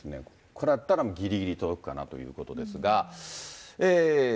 ここからだったらぎりぎり届くかなということですが。